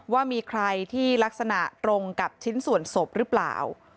ว่ามีใครที่ลักษณะตรงกับชิ้นส่วนศพหรือเปล่า